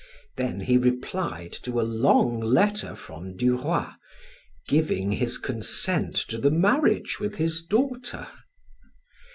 Then he replied to a long letter from Du Roy, giving his consent to his marriage with his daughter.